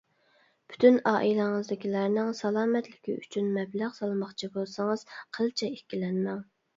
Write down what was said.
پۈتۈن ئائىلىڭىزدىكىلەرنىڭ سالامەتلىكى ئۈچۈن مەبلەغ سالماقچى بولسىڭىز قىلچە ئىككىلەنمەڭ!